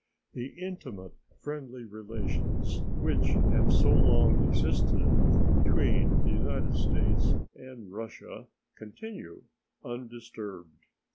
The intimate friendly relations which have so long existed between the United States and Russia continue undisturbed.